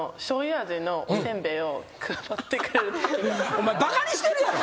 お前バカにしてるやろ？